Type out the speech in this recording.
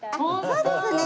そうですね！